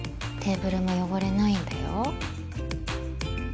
テーブルも汚れないんだよ。